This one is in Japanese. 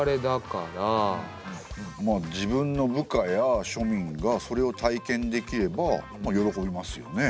まあ自分の部下や庶民がそれを体験できればまあ喜びますよね。